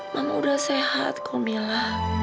mama udah sehat kok mila